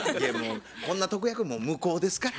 こんな特約もう無効ですから。